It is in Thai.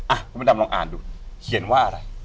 อ่ะคุณพระดำลองอ่านดูเขียนว่าอะไร